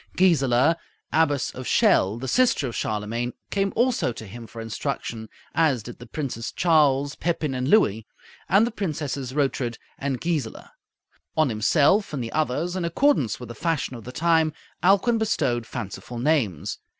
Gisela, Abbess of Chelles, the sister of Charlemagne, came also to him for instruction, as did the Princes Charles, Pepin, and Louis, and the Princesses Rotrud and Gisela. On himself and the others, in accordance with the fashion of the time, Alcuin bestowed fanciful names.